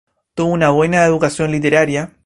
Tuvo una muy buena educación literaria.